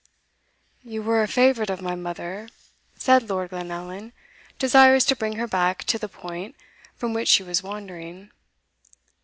"You were a favourite of my mother," said Lord Glenallan, desirous to bring her back to the point, from which she was wandering.